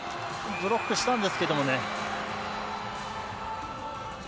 ブロックしたんですけどね。